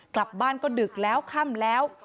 กลับบ้านก็ดึกแล้วค่ำแล้ว